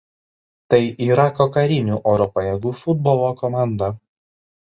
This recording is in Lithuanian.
Tai Irako karinių oro pajėgų futbolo komanda.